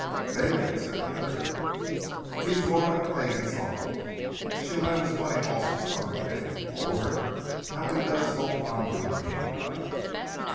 "Vaguely," said the other. "He's Laura Hegan's uncle. She'll have his money also some day—but Lord, how he does hold on to it meantime!